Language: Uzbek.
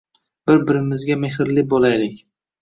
Bir-birimizga mexrli bo‘laylik.